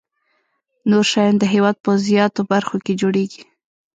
نور شیان د هېواد په زیاتو برخو کې جوړیږي.